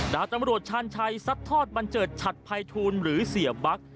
ดาบตำรวจชาญชัยซัดทอดบันเจิดฉัดภัยทูลหรือเสียบั๊ก